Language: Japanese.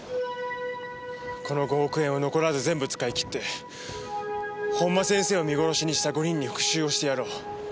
この５億円を残らず全部使い切って本間先生を見殺しにした５人に復讐をしてやろう。